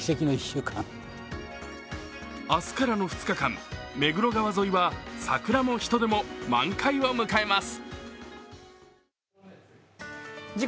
明日からの２日間、目黒川沿いは桜も人出も満開を迎えます。